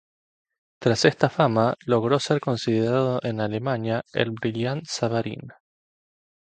Tras esta fama logró ser considerado en Alemania el Brillat-Savarin.